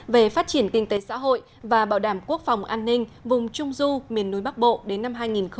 về phát triển kinh tế xã hội và bảo đảm quốc phòng an ninh vùng trung du miền núi bắc bộ đến năm hai nghìn hai mươi